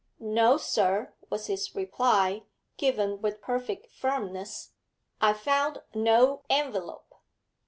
'No, sir,' was his reply, given with perfect firmness, 'I found no envelope.'